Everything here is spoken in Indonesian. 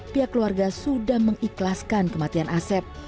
pihak keluarga sudah mengikhlaskan kematian asep